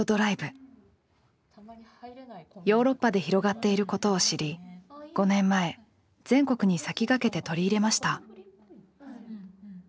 ヨーロッパで広がっていることを知り５年前全国に先駆けて取り入れました。